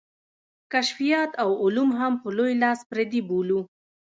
کشفیات او علوم هم په لوی لاس پردي بولو.